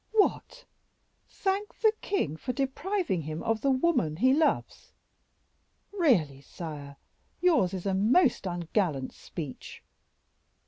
"What! thank the king for depriving him of the woman he loves! Really, sire, yours is a most ungallant speech."